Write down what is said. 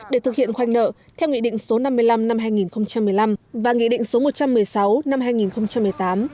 để thực hiện khoanh nợ theo nghị định số năm mươi năm năm hai nghìn một mươi năm và nghị định số một trăm một mươi sáu năm hai nghìn một mươi tám